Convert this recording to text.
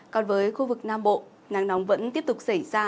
còn với khu vực nam bộ nắng nóng vẫn tiếp tục xảy ra